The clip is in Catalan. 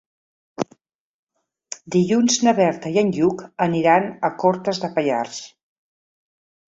Dilluns na Berta i en Lluc aniran a Cortes de Pallars.